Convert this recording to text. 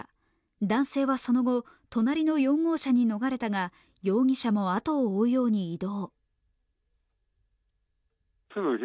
男性はその後、隣の４号車に逃れたが、容疑者もあとを追うように移動。